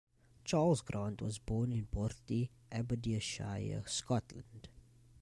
Charles Grant was born in Bourtie, Aberdeenshire, Scotland.